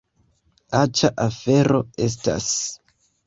Aĉa afero estas!